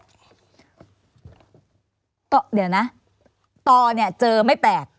เดี๋ยวนะต่อเนี่ยเจอไม่แปลก